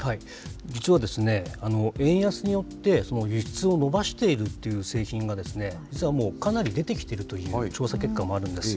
実は、円安によって輸出を伸ばしているっていう製品が、実はもう、かなり出てきているという調査結果もあるんです。